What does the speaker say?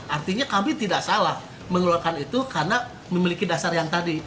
artinya kami tidak salah mengeluarkan itu karena memiliki dasar yang tadi